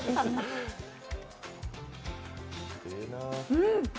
うん！